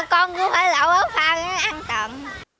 con cũng phải lậu ấu phao cho nó ăn tận